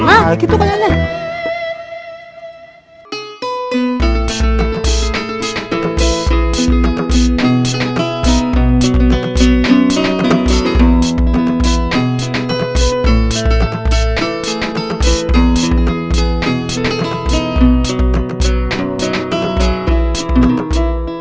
mau ke mana kang tatang